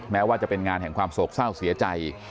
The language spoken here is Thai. แม้ว่าจะเป็นงานแห่งความโศกเศร้าเสียใจ